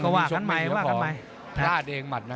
ก็ว่ากันใหม่